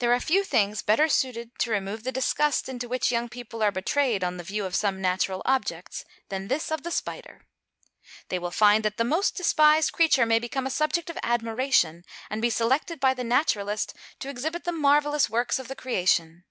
There are few things better suited to remove the disgust into which young people are betrayed on the view of some natural objects, than this of the spider. They will find that the most despised creature may become a subject of admiration, and be selected by the naturalist to exhibit the marvellous works of the creation.